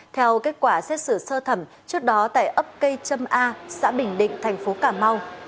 theo kết quả xét xử sơ thẩm trước đó tại ấp cây trâm a xã bình định thành phố cà mau